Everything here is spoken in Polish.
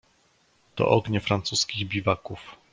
"To ognie francuskich biwaków."